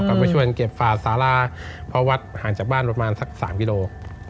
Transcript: ก็ไปช่วยกันเก็บฝาสาราเพราะวัดห่างจากบ้านประมาณสัก๓กิโล